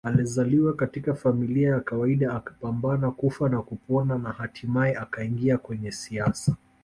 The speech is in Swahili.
Alizaliwa katika familia ya kawaida akapambana kufa na kupona na hatimaye akaingia kwenye siasa